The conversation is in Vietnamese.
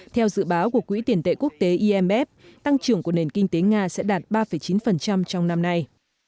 theo dự báo của quỹ tiền tệ quốc tế imf tăng trưởng của nền kinh tế nga sẽ đạt ba chín trong năm nay